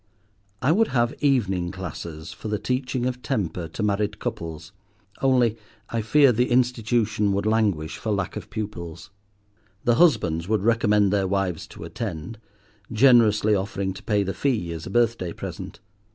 I would have evening classes for the teaching of temper to married couples, only I fear the institution would languish for lack of pupils. The husbands would recommend their wives to attend, generously offering to pay the fee as a birthday present.